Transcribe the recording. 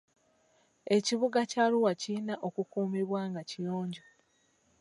Ekibuga kya Arua kirina okukuumibwa nga kiyonjo .